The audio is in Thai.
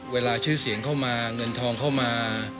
เวลาชื่อเสียงเข้ามาเงินทองเข้ามา